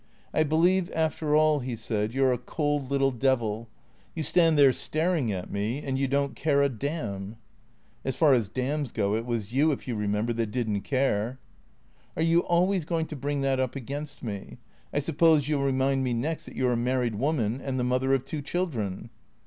" I believe after all," he said, " you 're a cold little devil. You stand there staring at me and you don't care a damn." " As far as damns go, it was 3'ou, if you remember, that did n't care." " Are you always going to bring that up against me ? I sup pose you '11 remind me next that you 're a married woman and the mother of two children."